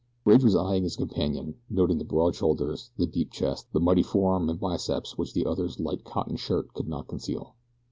Bridge was eying his companion, noting the broad shoulders, the deep chest, the mighty forearm and biceps which the other's light cotton shirt could not conceal.